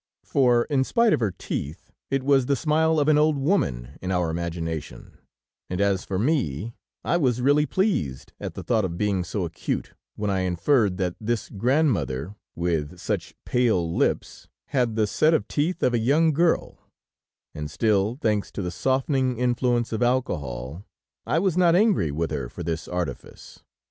For in spite of her teeth, it was the smile of an old woman in our imagination, and as for me, I was really pleased at the thought of being so acute when I inferred that this grandmother with such pale lips, had the set of teeth of a young girl, and still, thanks to the softening influence of alcohol, I was not angry with her for this artifice.